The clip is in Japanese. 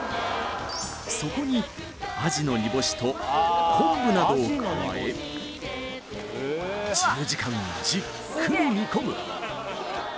そこにアジの煮干しと昆布などを加え１０時間じっくり煮込む